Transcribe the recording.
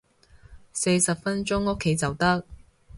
四十分鐘屋企就得